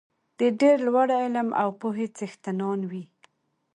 د ډېر لوړ علم او پوهې څښتنان وي.